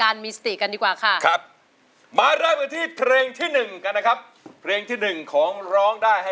อ่าสติสติเราหล่นอยู่ไหนเนาะ